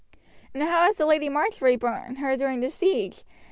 "And how has the Lady Marjory borne her during the siege?"